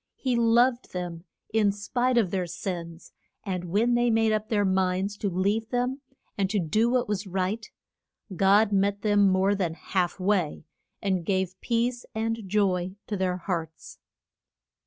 He loved them in spite of their sins, and when they made up their minds to leave them, and to do what was right, God met them more than half way, and gave peace and joy to their hearts.